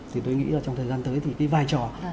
thì tôi nghĩ là trong thời gian tới thì cái vai trò